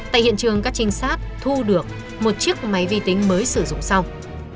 tại hiện trường các trinh sát thu được một chiếc máy vi tính mới sử dụng xong